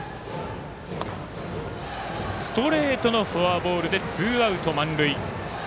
ストレートのフォアボールでツーアウト、満塁。